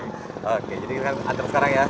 oke jadi akan mengantar sekarang ya mbak dora